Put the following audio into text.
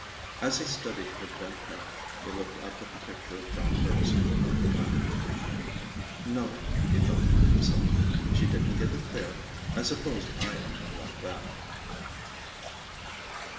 As he studied her bent head, he looked up at the picture of John Bergson above the lamp. "No," he thought to himself, "she didn't get it there. I suppose I am more like that."